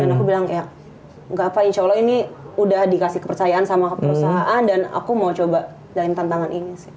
dan aku bilang ya gak apa insya allah ini udah dikasih kepercayaan sama perusahaan dan aku mau coba jalanin tantangan ini sih